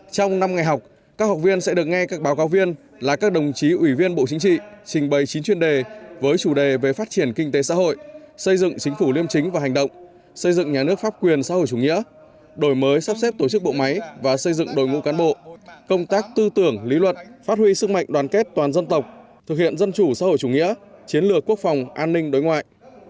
trong năm ngày học các học viên sẽ được nghe các báo cáo viên là các đồng chí ủy viên bộ chính trị trình bày chín chuyên đề với chủ đề về phát triển kinh tế xã hội xây dựng chính phủ liêm chính và hành động xây dựng nhà nước pháp quyền xã hội chủ nghĩa đổi mới sắp xếp tổ chức bộ máy và xây dựng đổi ngũ cán bộ công tác tư tưởng lý luận phát huy sức mạnh đoàn kết toàn dân tộc thực hiện dân chủ xã hội chủ nghĩa chiến lược quốc phòng an ninh đối ngoại